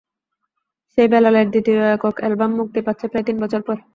সেই বেলালের দ্বিতীয় একক অ্যালবাম মুক্তি পাচ্ছে প্রায় তিন বছর পর।